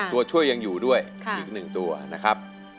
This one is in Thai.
ตัวช่วยยังอยู่ด้วยอีก๑ตัวนะครับ